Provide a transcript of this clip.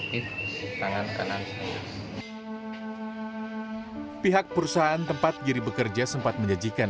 pihak perusahaan tempat giri bekerja sempat menjanjikan